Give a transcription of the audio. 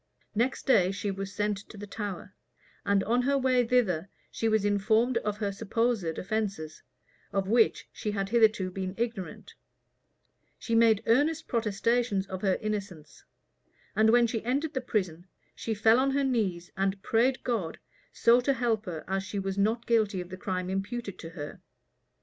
Next day, she was sent to the Tower; and on her way thither, she was informed of her supposed offences, of which she had hitherto been ignorant: she made earnest protestations of her innocence; and when she entered the prison, she fell on her knees, and prayed God so to help her, as she was not guilty of the crime imputed to her.